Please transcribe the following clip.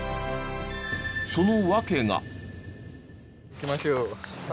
その訳が。